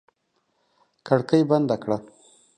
کړکۍ بندې کړه!